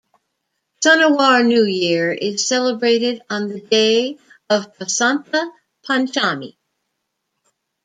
Sunuwar New year is celebrated on the day of Basanta Panchami.